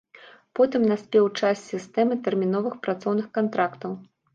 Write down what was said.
Потым наспеў час сістэмы тэрміновых працоўных кантрактаў.